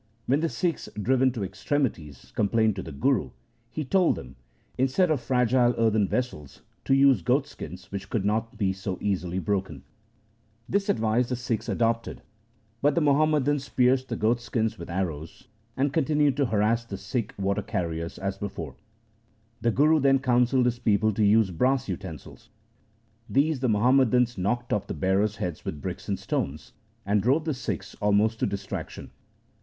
When the Sikhs, driven to ex tremities, complained to the Guru, he told them, instead of fragile earthen vessels, to use goatskins which could not be so easily broken. This advice the Sikhs adopted, but the Muhammadans pierced the goatskins with arrows, and continued to harass the Sikh water carriers as before. The Guru then counselled his people to use brass utensils. These the Muhammadans knocked off the bearers' heads with bricks and stones, and drove the Sikhs almost to distraction.